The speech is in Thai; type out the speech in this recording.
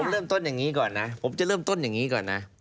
เริ่มต้นอย่างนี้ก่อนนะผมจะเริ่มต้นอย่างนี้ก่อนนะ